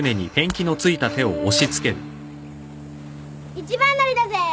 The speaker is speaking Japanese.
一番乗りだぜぇ！